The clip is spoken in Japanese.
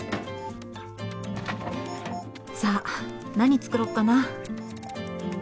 さあ何作ろっかな？